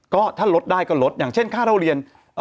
ก็ถ้าลดได้ก็ลดอย่างเช่นค่าเล่าเรียน